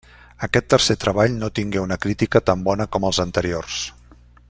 Aquest tercer treball no tingué una crítica tan bona com els anteriors.